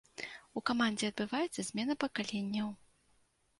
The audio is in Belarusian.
У камандзе адбываецца змена пакаленняў.